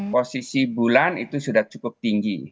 posisi bulan itu sudah cukup tinggi